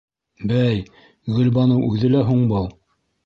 Бәй, Гөлбаныу үҙе лә һуң был?